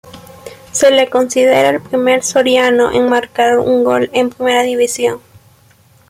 Se le considera el primer soriano en marcar un gol en primera división.